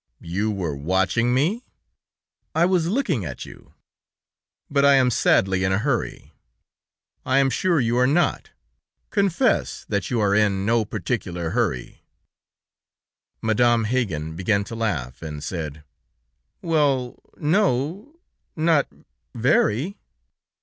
"You were watching me?" "I was looking at you." "But I am sadly in a hurry." "I am sure you are not. Confess that you are in no particular hurry." Madame Haggan began to laugh, and said: "Well, ... no ... not ... very...."